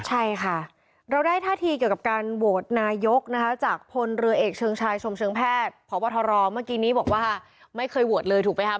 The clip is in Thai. ใช่ค่ะเราได้ท่าทีเกี่ยวกับการโหวตนายกนะคะจากพลเรือเอกเชิงชายชมเชิงแพทย์พบทรเมื่อกี้นี้บอกว่าไม่เคยโหวตเลยถูกไหมครับ